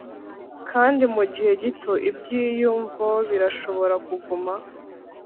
kandi mugihe gito ibyiyumvo birashobora kuguma ...